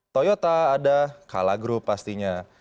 toyota ada calagro pastinya